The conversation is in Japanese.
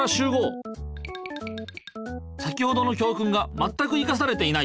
先ほどの教訓がまったく生かされていない。